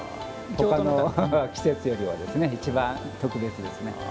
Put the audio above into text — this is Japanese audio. ほかの季節よりは一番特別ですね。